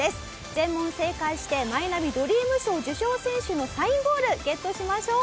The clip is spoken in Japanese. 全問正解してマイナビドリーム賞受賞選手のサインボールをゲットしましょう。